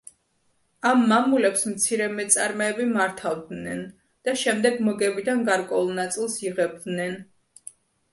ამ მამულებს მცირე მეწარმეები მართავდნენ და შემდეგ მოგებიდან გარკვეულ ნაწილს იღებდნენ.